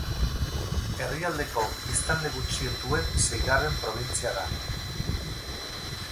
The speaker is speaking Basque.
Herrialdeko biztanle gutxien duen seigarren probintzia da.